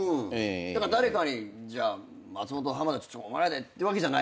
だから誰かにじゃあ松本浜田お前らでってわけじゃない。